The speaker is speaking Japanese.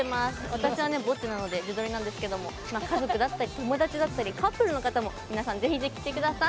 私はぼっちなので自撮りなんですけれども家族だったり友達だったりカップルの方も皆さんぜひぜひ来て下さい。